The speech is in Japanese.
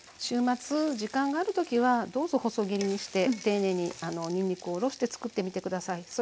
週末時間がある時はどうぞ細切りにして丁寧ににんにくをおろして作ってみて下さい。